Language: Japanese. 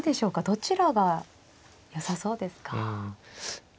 どちらがよさそうですか。